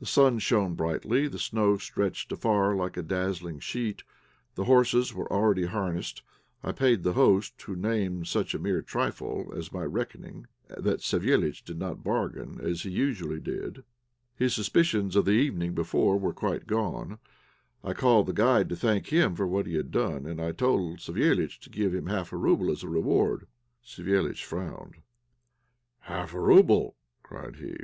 The sun shone brightly; the snow stretched afar like a dazzling sheet. The horses were already harnessed. I paid the host, who named such a mere trifle as my reckoning that Savéliitch did not bargain as he usually did. His suspicions of the evening before were quite gone. I called the guide to thank him for what he had done for us, and I told Savéliitch to give him half a rouble as a reward. Savéliitch frowned. "Half a rouble!" cried he.